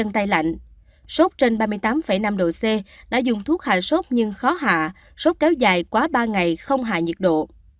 tây lạnh sốt trên ba mươi tám năm độ c đã dùng thuốc hạ sốt nhưng khó hạ sốt kéo dài quá ba ngày không hạ nhiệt độ